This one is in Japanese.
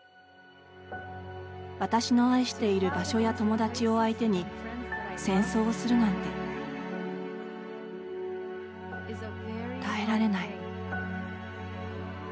私の愛している場所や友達を相手に戦争をするなんて耐えられない。